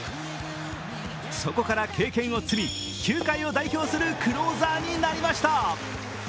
そこから経験を積み、球界を代表するクローザーになりました。